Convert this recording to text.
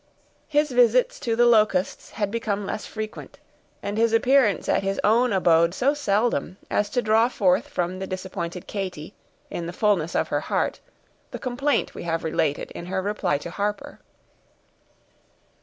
His visits to the Locusts had become less frequent, and his appearance at his own abode so seldom, as to draw forth from the disappointed Katy, in the fullness of her heart, the complaint we have related, in her reply to Harper.